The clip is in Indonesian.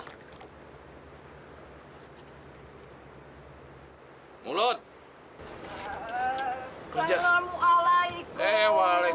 sekarang dia sudah nangis